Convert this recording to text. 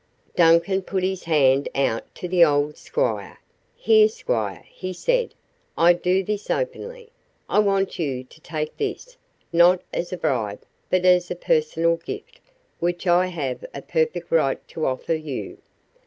Duncan put his hand out to the old squire. "Here, squire," he said. "I do this openly. I want you to take this, not as a bribe, but as a personal gift, which I have a perfect right to offer you.